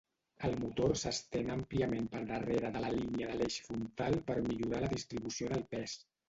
El motor s'estén àmpliament per darrere de la línia de l'eix frontal per millorar la distribució del pes.